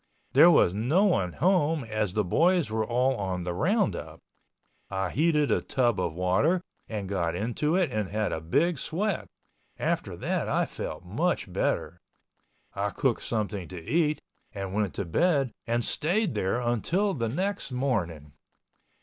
There was no one home as the boys were all on the roundup. I heated a tub of water and got into it and had a big sweat, after that I felt much better, I cooked something to eat and went to bed and stayed there until the next morning.